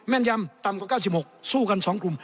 นยำต่ำกว่า๙๖สู้กัน๒กลุ่ม